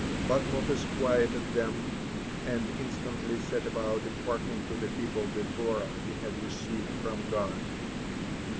But Moses quieted them, and instantly set about imparting to the people the Torah he had received from God.